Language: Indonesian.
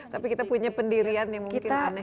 tapi kita punya pendirian yang memungkinkan